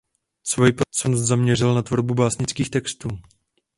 Svojí pozornost zaměřil na tvorbu básnických textů.